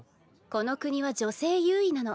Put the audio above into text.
この国は女性優位なの。